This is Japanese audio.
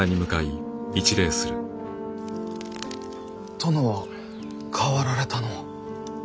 殿は変わられたのう。